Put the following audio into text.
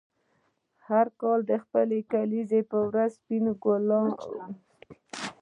هر کال د خپلې کلیزې په ورځ سپین ګلاب واخلې.